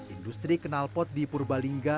industri kenalpot di purbalingga